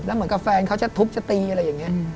เหมือนกับแฟนเขาจะทุบจะตีอะไรอย่างนี้